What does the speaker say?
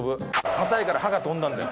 硬いから歯が飛んだんだよ。